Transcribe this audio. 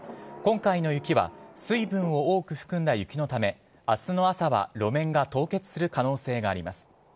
今回の雪は水分を多く含んだ雪のため明日の朝は路面が凍結する可能性があります。